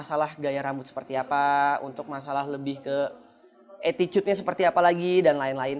setelah kursus pembuatan kewangan angkasa tiga tahun gelar